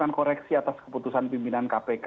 yang kedua merangkul keputusan pimpinan kpk gitu ya